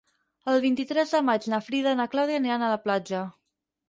El vint-i-tres de maig na Frida i na Clàudia aniran a la platja.